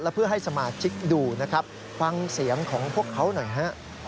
เพื่อให้สมาชิกดูนะครับฟังเสียงของพวกเขาหน่อยฮะ